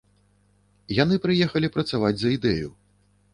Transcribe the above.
Яны прыехалі працаваць за ідэю.